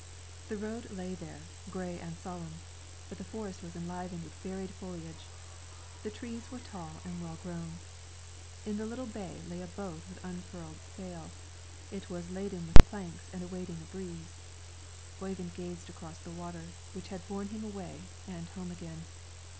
The road lay there, gray and solemn, but the forest was enlivened with varied foliage; the trees were tall and well grown. In the little bay lay a boat with unfurled sail; it was laden with planks and awaiting a breeze. Oyvind gazed across the water which had borne him away and home again.